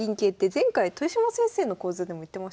前回豊島先生の講座でも言ってましたもんね。